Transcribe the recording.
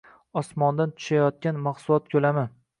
«osmondan tushayotgan» mahsulot ko‘lami